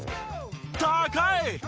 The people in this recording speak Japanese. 高い！